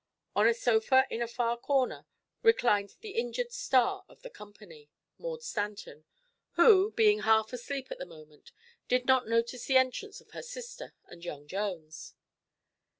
On a sofa in a far corner reclined the injured "star" of the company, Maud Stanton, who being half asleep at the moment did not notice the entrance of her sister and young Jones.